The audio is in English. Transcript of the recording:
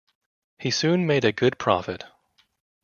He soon made a good profit.